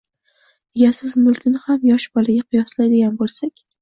Egasiz mulkni ham yosh bolaga qiyoslaydigan bo‘lsak